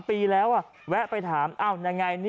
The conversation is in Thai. กลับมาพร้อมขอบความ